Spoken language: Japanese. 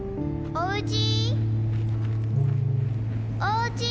おうち？